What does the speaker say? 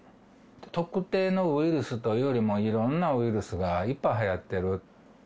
特定のウイルスというよりも、いろんなウイルスがいっぱいはやってる。